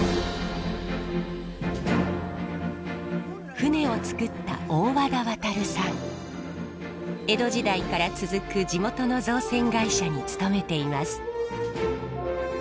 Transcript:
舟を造った江戸時代から続く地元の造船会社に勤めています。